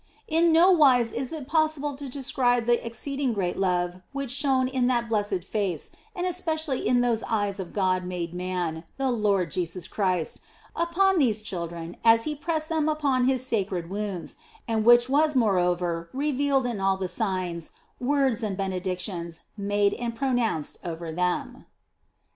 In no wise is it possible to describe the exceeding great love which shone in that blessed Face and especially in those Eyes of God made Man, the Lord Jesus Christ, upon these children as He pressed them upon His sacred wounds, and which was moreover revealed in all the signs, words, and benedictions made and pro nounced over them.